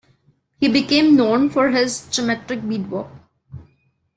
He became known for his geometric beadwork.